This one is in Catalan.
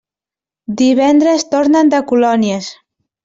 Divendres tornen de colònies.